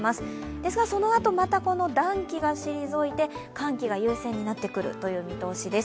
ですが、そのあとまた暖気が退いて寒気が優勢になってくるという見通しです。